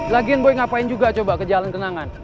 lagian boy ngapain juga coba ke jalan kenangan